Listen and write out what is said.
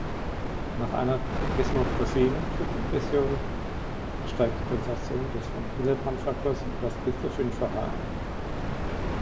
Nach einer Desmopressin-Kurzinfusion steigt die Konzentration des Von-Willebrand-Faktors um das bis zu Fünffache an.